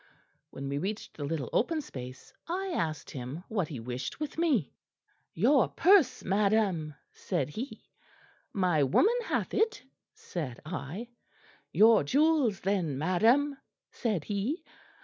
"When we reached the little open space, I asked him what he wished with me. "'Your purse, madam,' said he. "'My woman hath it,' said I. "'Your jewels then, madam,' said he.